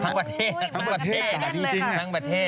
ทั้งประเทศทั้งประเทศ